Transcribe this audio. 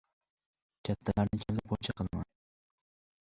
— Kattalarni kallapoycha qilaman!